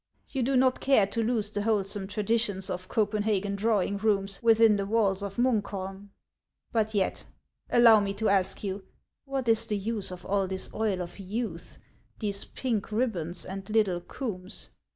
You do not care to lose the wholesome traditions of Copenhagen drawing rooms within the walls of Munkholm. But yet, allow me t<> ask you, what is the use of all this Oil of Youth, these pink ribbons, and little combs